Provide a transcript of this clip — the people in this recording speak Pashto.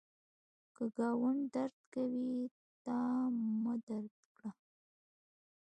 که ګاونډی درد کوي، تا مه درد کړه